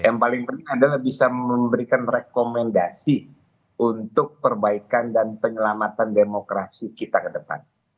yang paling penting adalah bisa memberikan rekomendasi untuk perbaikan dan penyelamatan demokrasi kita ke depan